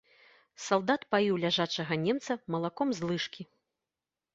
Салдат паіў ляжачага немца малаком з лыжкі.